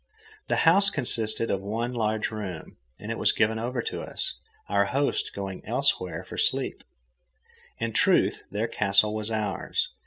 The house consisted of one large room, and it was given over to us, our hosts going elsewhere to sleep. In truth, their castle was ours.